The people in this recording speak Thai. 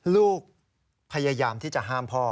ลูกพยายามที่จะห้ามพ่อ